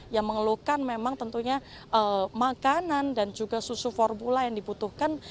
yang mengeluhkan memang tentunya makanan dan juga susu formula yang dibutuhkan